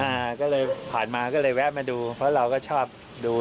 อ่าก็เลยผ่านมาก็เลยแวะมาดูเพราะเราก็ชอบดู